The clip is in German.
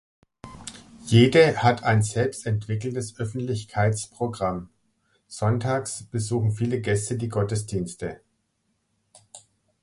Jede hat ein selbst entwickeltes Öffentlichkeits-Programm; sonntags besuchen viele Gäste die Gottesdienste.